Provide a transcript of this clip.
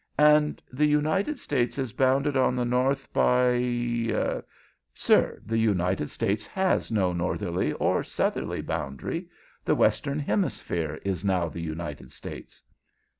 "And the United States is bounded on the north by " "Sir, the United States has no northerly or southerly boundary. The Western Hemisphere is now the United States."